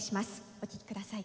お聴きください。